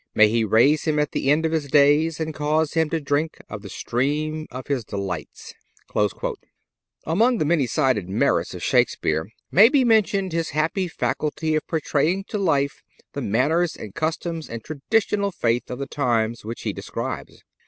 May He raise him at the end of his days and cause him to drink of the stream of His delights."(293) Among the many sided merits of Shakespeare may be mentioned his happy faculty of portraying to life the manners and customs and traditional faith of the times which he describes.